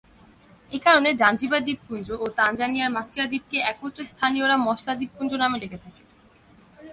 এ কারণে জাঞ্জিবার দ্বীপপুঞ্জ ও তানজানিয়ার মাফিয়া দ্বীপকে একত্রে স্থানীয়রা মসলা দ্বীপপুঞ্জ নামে ডেকে থাকে।